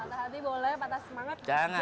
patah hati boleh patah semangat jangan kan